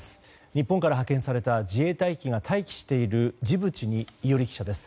日本から派遣された自衛隊機が待機しているジブチに、伊従記者です。